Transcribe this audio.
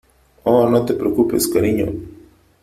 Oh , no te preocupes , cariño .